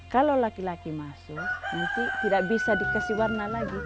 kalau laki laki masuk nanti tidak bisa dikasih warna lagi